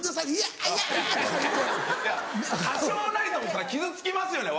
多少なりとも傷つきますよね